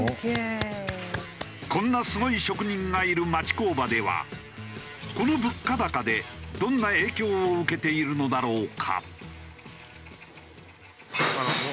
こんなすごい職人がいる町工場ではこの物価高でどんな影響を受けているのだろうか？